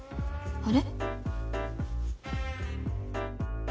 あれ？